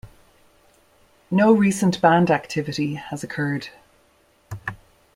No recent band activity has occurred.